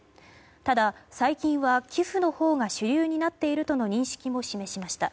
ただ最近は寄付のほうが主流になっているとの認識も示しました。